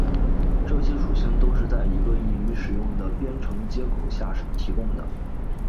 这些属性都是在一个易于使用的编程接口下提供的。